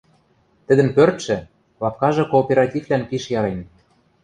Тӹдӹн пӧртшӹ, лапкажы кооперативлӓн пиш ярен.